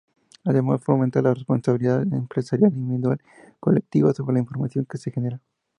Además, fomenta la responsabilidad empresarial individual y colectiva sobre la información que se genera.